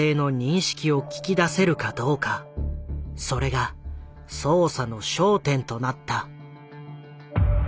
それが捜査の焦点となった。